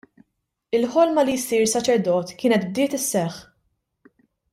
Il-ħolma li jsir saċerdot kienet bdiet isseħħ.